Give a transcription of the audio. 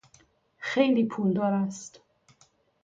خیلی پولدار است.